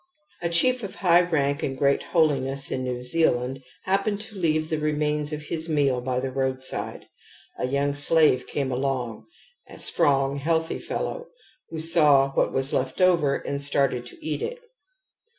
A chief of high raiJc and great holiness in New Zealand happened to leave the remains of his meal by the roadside. A young slave came along, a strong healthy fellow, who saw what was left over and started to eat it.